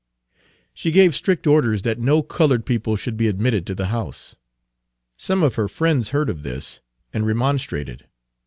She gave strict orders that no colored people should be admitted to the house. Some of her friends heard of this, and remonstrated.